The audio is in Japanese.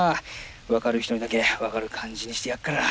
分かる人にだけ分かる感じにしてやっから！